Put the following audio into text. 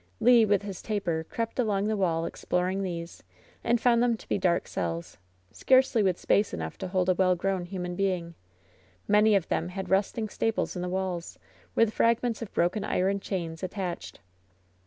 Le, with his taper, crept along the wall exploring these, and found them to be dark cells, scarcely with space enough to hold a well grown human being. Many of them had rusting staples in the walls, with fragments of broken iron chains attached.